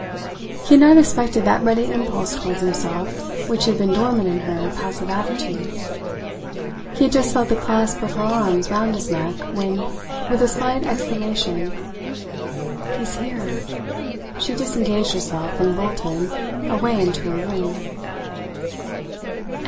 He had not expected that ready impulse towards himself which had been dormant in her passive attitude. He had just felt the clasp of her arms round his neck, when, with a slight exclamation "He's here!" she disengaged herself and bolted, away into her room.